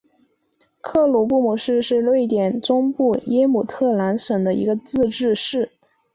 克鲁库姆市是瑞典中部耶姆特兰省的一个自治市。